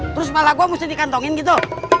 terus kepala gua mesti dikantongin gitu